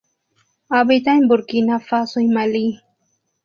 Habita en Burkina Faso y Malí.